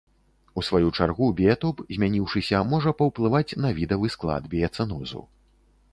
У сваю чаргу біятоп, змяніўшыся, можа паўплываць на відавы склад біяцэнозу.